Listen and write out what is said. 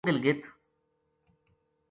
وہ گلگت